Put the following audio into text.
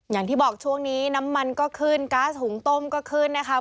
อย่างที่บอกช่วงนี้น้ำมันก็ขึ้นก๊าซหุงต้มก็ขึ้นนะคะ